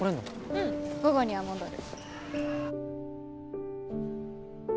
うん午後には戻る。